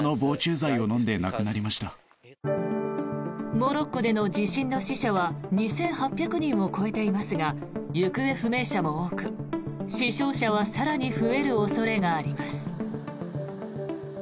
モロッコでの地震の死者は２８００人を超えていますが行方不明者も多く、死傷者は更に増える恐れがあります。